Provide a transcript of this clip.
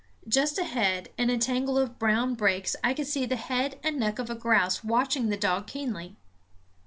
Just ahead, in a tangle of brown brakes, I could see the head and neck of a grouse watching the dog keenly.